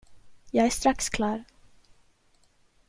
Jag är strax klar.